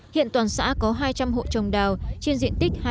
hiện toàn xã có hai trăm linh hộ trồng đào trên diện tích hai mươi